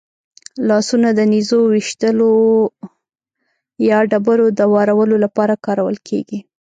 لاسونه د نېزو ویشتلو یا ډبرو د وارولو لپاره کارول کېدل.